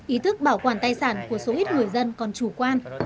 ý thức bảo quản tài sản của số ít người dân còn chủ quan